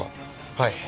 はい。